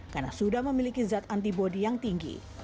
karena sudah memiliki zat antibody yang tinggi